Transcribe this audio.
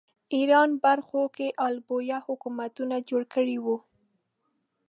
ایران برخو کې آل بویه حکومتونه جوړ کړي وو